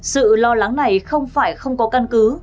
sự lo lắng này không phải không có căn cứ